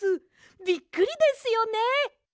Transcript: びっくりですよね！